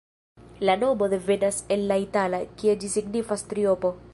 La nomo devenas el la itala, kie ĝi signifas triopo.